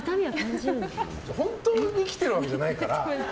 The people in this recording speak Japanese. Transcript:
本当に来てるわけじゃないから。